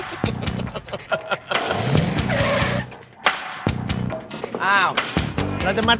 ในที่นั่งประกัน